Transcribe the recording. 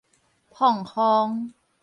膨風